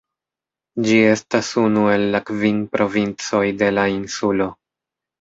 Ĝi estas unu el la kvin provincoj de la insulo.